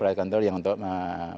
flight control ya untuk apa namanya